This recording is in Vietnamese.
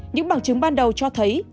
những bằng chứng ban đầu cho thấy